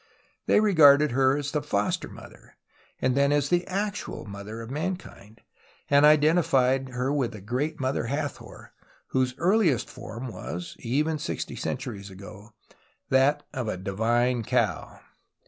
They regarded her as the foster mother, and then as the actual mother of mankind, and identified her with the Great Mother Hathor, whose earliest form was (even sixty centuries ago) that of a Divine Cow.